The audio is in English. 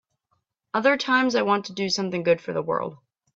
Other times I want to do something good for the world.